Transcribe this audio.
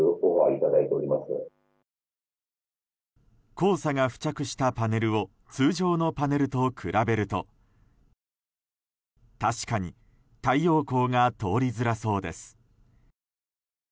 黄砂が付着したパネルを通常のパネルと比べると確かに太陽光が通りづらそうです。